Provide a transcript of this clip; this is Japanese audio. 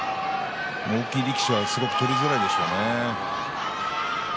大きい力士はすごく取りづらいでしょうね。